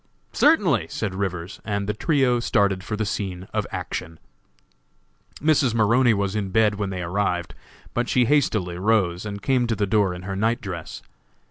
"Certainly," said Rivers, and the trio started for the scene of action. Mrs. Maroney was in bed when they arrived, but she hastily rose and came to the door in her night dress.